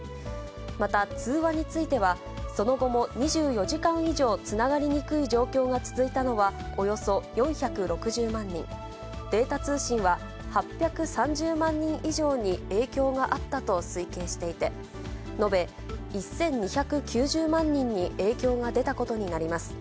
また通話については、その後も２４時間以上、つながりにくい状況が続いたのは、およそ４６０万人、データ通信は８３０万人以上に影響があったと推計していて、延べ１２９０万人に影響が出たことになります。